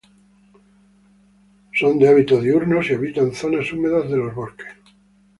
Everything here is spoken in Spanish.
Son de hábitos diurnos y habitan zonas húmedas de los bosques.